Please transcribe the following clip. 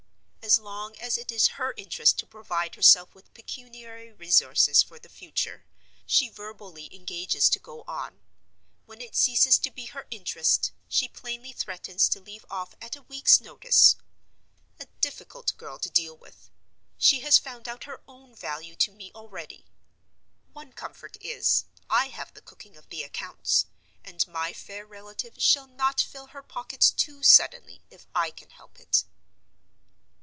As long as it is her interest to provide herself with pecuniary resources for the future, she verbally engages to go on. When it ceases to be her interest, she plainly threatens to leave off at a week's notice. A difficult girl to deal with; she has found out her own value to me already. One comfort is, I have the cooking of the accounts; and my fair relative shall not fill her pockets too suddenly if I can help it.